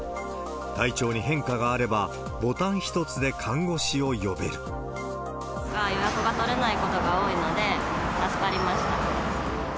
体調に変化があれば、予約が取れないことが多いので、助かりました。